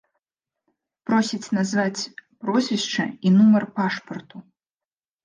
Просіць назваць прозвішча і нумар пашпарту.